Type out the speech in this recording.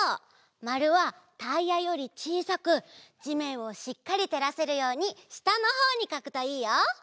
まるはタイヤよりちいさくじめんをしっかりてらせるようにしたのほうにかくといいよ。